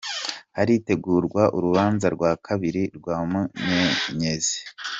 Haritegurwa urubanza rwa kabiri rwa Munyenyezi